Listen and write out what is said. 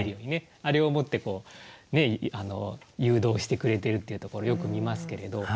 あれを持って誘導してくれてるっていうところよく見ますけれど。